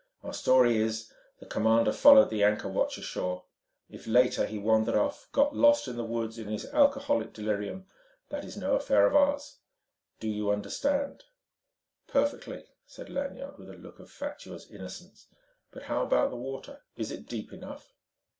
Our story is, the commander followed the anchor watch ashore; if later he wandered off, got lost in the woods in his alcoholic delirium, that is no affair of ours. Do you understand?" "Perfectly," said Lanyard with a look of fatuous innocence. "But how about the water is it deep enough?"